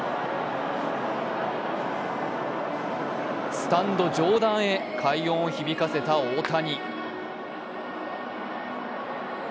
スタンド上段へ快音を響かせた大谷。